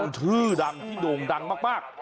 ชื่อดังที่โด่งดังมาก